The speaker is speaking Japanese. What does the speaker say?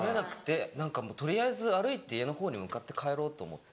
何かもう取りあえず歩いて家の方に向かって帰ろうと思って。